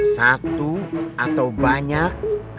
satu atau banyak